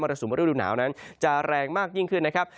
สุมฤดูหนาวนั้นจะแรงมากยิ่งขึ้นนะครับ